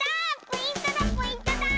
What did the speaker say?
ポイントだポイントだ！